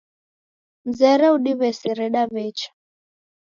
Mzere udiw'esere, daw'echa